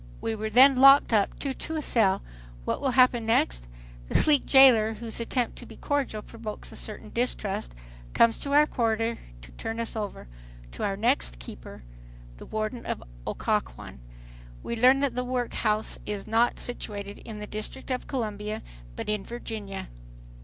We are then locked up,—two to a cell. What will happen next? The sleek jailer, whose attempt to be cordial provokes a certain distrust, comes to our corridor to "turn us over" to our next keeper the warden of Occoquan. We learn that the workhouse is not situated in the District of Columbia but in Virginia.